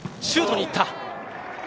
シュートに行った。